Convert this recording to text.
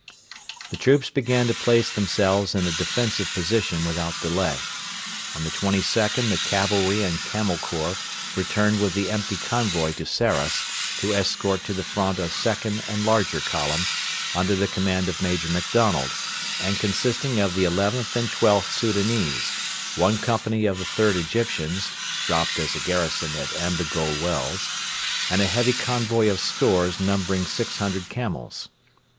The troops began to place themselves in a defensive position without delay. On the 22nd the cavalry and Camel Corps returned with the empty convoy to Sarras to escort to the front a second and larger column, under the command of Major MacDonald, and consisting of the XIth and XIIth Soudanese, one company of the 3rd Egyptians (dropped as a garrison at Ambigole Wells), and a heavy convoy of stores numbering six hundred camels.